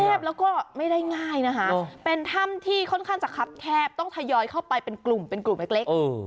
แล้วก็ไม่ได้ง่ายนะคะเป็นถ้ำที่ค่อนข้างจะคับแคบต้องทยอยเข้าไปเป็นกลุ่มเป็นกลุ่มเล็ก